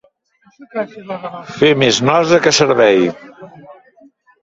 Fer més nosa que servei.